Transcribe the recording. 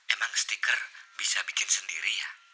emang stiker bisa bikin sendiri ya